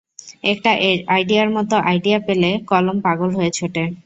একটা আইডিয়ার মত আইডিয়া পেলে কলম পাগল হয়ে ছোটে।